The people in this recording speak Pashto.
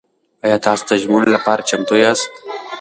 ایا تاسو د ژمنو لپاره چمتو یاست؟